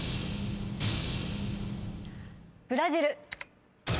ブラジル。